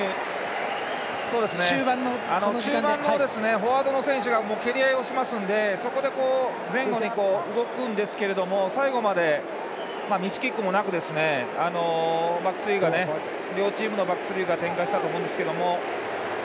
フォワードの選手が蹴り合いをしますのでそこで前後に動くんですけど最後までミスキックもなく両チームのバックスリーが展開したと思うんですけど。